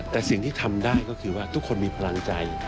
แต่สิ่งที่ทำได้ก็คือว่าทุกคนมีพลังใจ